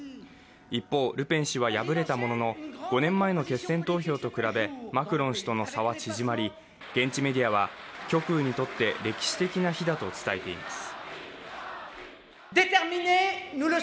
一方、ルペン氏は敗れたものの、５年前の決戦投票と比べマクロン氏との差は縮まり、現地メディアは極右にとって歴史的な日だと伝えています。